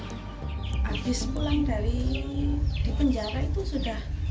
abis pulang dari penjara itu sudah